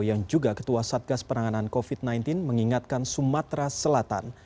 yang juga ketua satgas penanganan covid sembilan belas mengingatkan sumatera selatan